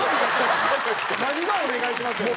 何が「お願いします」やねん。